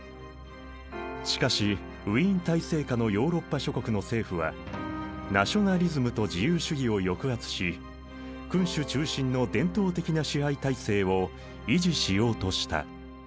しかしウィーン体制下のヨーロッパ諸国の政府はナショナリズムと自由主義を抑圧し君主中心の伝統的な支配体制を維持しようとした。